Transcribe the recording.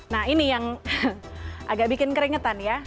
nah ini yang agak bikin keringetan ya